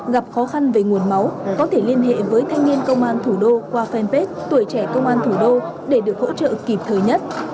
gặp khó khăn về nguồn máu có thể liên hệ với thanh niên công an thủ đô qua fanpage tuổi trẻ công an thủ đô để được hỗ trợ kịp thời nhất